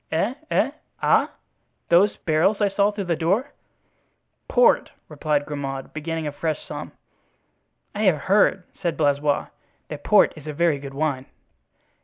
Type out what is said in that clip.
"Eh? eh? ah? Those barrels I saw through the door?" "Port!" replied Grimaud, beginning a fresh sum. "I have heard," said Blaisois, "that port is a very good wine."